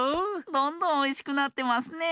どんどんおいしくなってますね。